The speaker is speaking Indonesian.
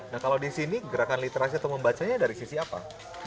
nah kalau di sini gerakan literasi atau membacanya dari sisi apa